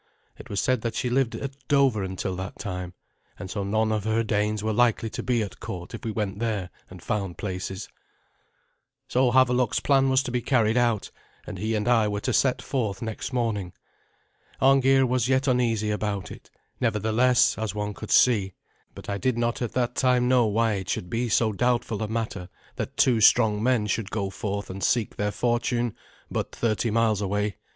It was said that she lived at Dover until that time, and so none of her Danes were likely to be at court if we went there and found places. So Havelok's plan was to be carried out, and he and I were to set forth next morning. Arngeir was yet uneasy about it, nevertheless, as one could see; but I did not at that time know why it should be so doubtful a matter that two strong men should go forth and seek their fortune but thirty miles away.